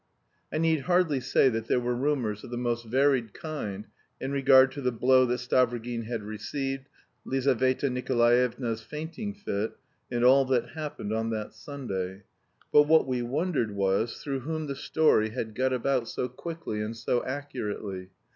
I need hardly say that there were rumours of the most varied kind going about the town in regard to the blow that Stavrogin had received, Lizaveta Nikolaevna's fainting fit, and all that happened on that Sunday. But what we wondered was, through whom the story had got about so quickly and so accurately.